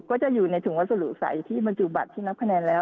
ก็จะอยู่ในถุงวัสดุใสที่บรรจุบัตรที่นับคะแนนแล้ว